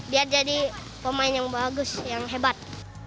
biar jadi pemain yang bagus yang hebat